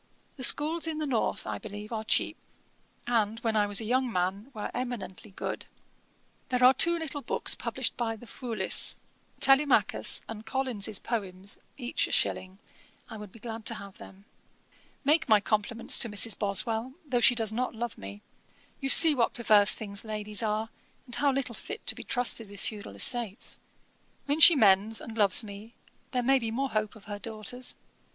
The schools in the north, I believe, are cheap; and, when I was a young man, were eminently good. 'There are two little books published by the Foulis, Telemachus and Collins's Poems, each a shilling: I would be glad to have them. 'Make my compliments to Mrs. Boswell, though she does not love me. You see what perverse things ladies are, and how little fit to be trusted with feudal estates. When she mends and loves me, there may be more hope of her daughters.